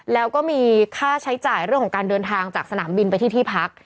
แล้วก็มีค่าใช้จ่ายเรื่องของการเดินทางจากสนามบินไปที่ที่พัก